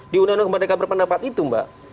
di undang undang kemerdekaan berpendapat itu mbak